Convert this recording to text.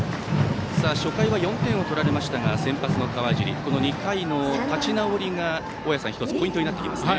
初回は４点を取られましたが先発の川尻、２回の立ち直りが１つポイントになってきますね。